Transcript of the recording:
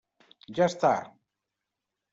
Ja està!